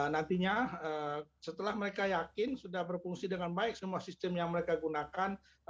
nantinya setelah mereka yakin sudah berfungsi dengan baik semua sistem yang mereka gunakan